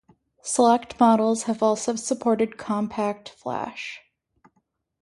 Select models have also supported CompactFlash.